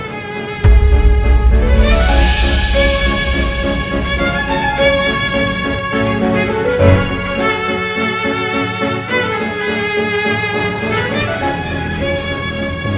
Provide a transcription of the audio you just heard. kau bisa nungguin aku